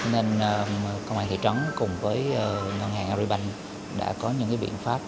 nên công an thị trấn cùng với ngân hàng agribank đã có những biện pháp